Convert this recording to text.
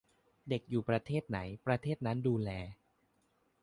"เด็กอยู่ประเทศไหน ประเทศนั้นดูแล"